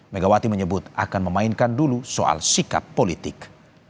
megawati menyebut akan memainkan dulu soal sikap politik